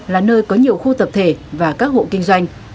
là nơi có nhiều khu tập thể và các hộ kinh doanh